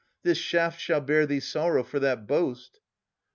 This shaft shall bear thee sorrow for that boast.